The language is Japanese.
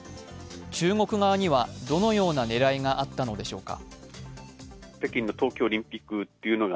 中国側にはどのような狙いがあったのでしょうか？